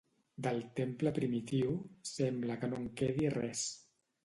Del temple primitiu, sembla que no en quedi res.